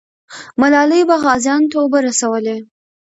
ملالۍ به غازیانو ته اوبه رسولې.